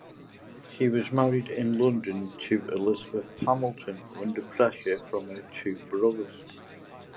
He was married in London to Elizabeth Hamilton, under pressure from her two brothers.